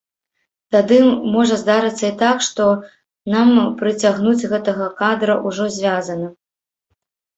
Тады можа здарыцца і так, што нам прыцягнуць гэтага кадра ўжо звязаным.